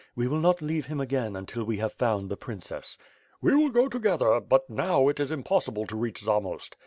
We will not leave him again until we have found the princess." "We will go together, but now it is impossible to reach Zamost."